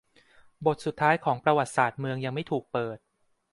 บทสุดท้ายของประวัติศาสตร์เมืองยังไม่ถูกเปิด